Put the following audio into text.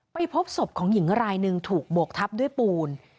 พบศพของหญิงรายหนึ่งถูกโบกทับด้วยปูน